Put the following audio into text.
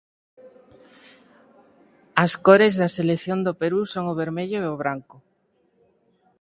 As cores da selección do Perú son o vermello e o branco.